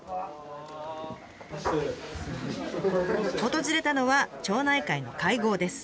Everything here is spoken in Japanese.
訪れたのは町内会の会合です。